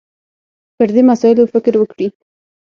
پر دې مسایلو فکر وکړي